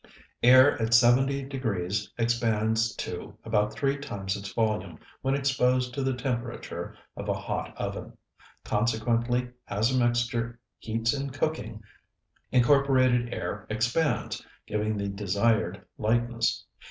Air at seventy degrees expands to about three times its volume when exposed to the temperature of a hot oven. Consequently, as a mixture heats in cooking, incorporated air expands, giving the desired lightness.